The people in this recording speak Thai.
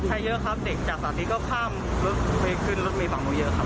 ใช้เยอะครับเด็กจากสัตว์นี้ก็ข้ามเคยขึ้นรถเมียบังก็เยอะครับ